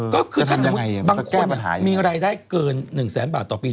ก็คือถ้าสมมุติบางคนมีรายได้เกิน๑แสนบาทต่อปี